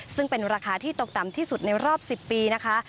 ซึ่งเป็นราคาที่ตกต่ำที่สุดในรอบ๑๐ปีนะคะ